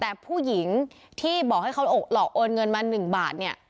แต่ผู้หญิงที่บอกให้เขาหลอกโอนเงินมา๑บาทเนี่ย